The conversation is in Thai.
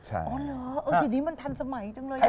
อ๋อเหรอทีนี้มันทันสมัยจังเลย